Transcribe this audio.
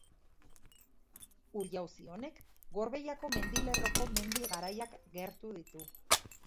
Ur-jauzi honek Gorbeiako mendilerroko mendi garaiak gertu ditu.